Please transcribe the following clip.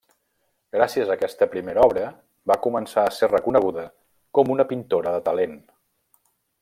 Gràcies a aquesta primera obra va començar a ser reconeguda com una pintora de talent.